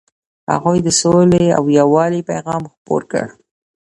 هغوی د سولې او یووالي پیغام خپور کړ.